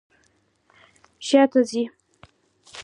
شاته ځئ